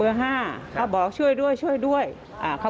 แล้วก็